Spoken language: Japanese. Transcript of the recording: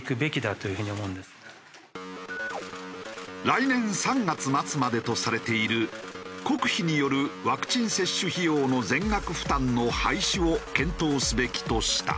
来年３月末までとされている国費によるワクチン接種費用の全額負担の廃止を検討すべきとした。